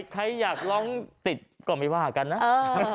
ใครอยากร้องติดก็ไม่ว่ากันนะ